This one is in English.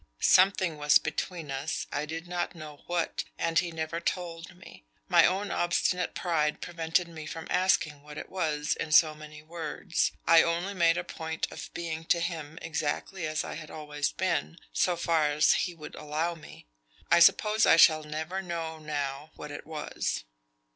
Something was between us, I did not know what, and he never told me. My own obstinate pride prevented me from asking what it was in so many words; I only made a point of being to him exactly as I had always been, so far as he would allow me. I suppose I shall never know now what it was."